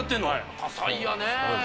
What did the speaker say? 多才やね。